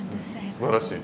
すばらしい。